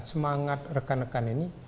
semangat rekan rekan ini